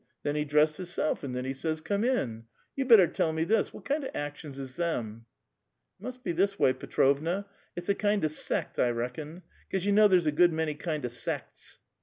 Then he dressed hisself, and then he says, ' Come in.' You better tell me this : what kind of actions is them?" "It must be this way, Petrovna; it's a kind of sect, I reckon, 'cause you know there's a good many kind of sects."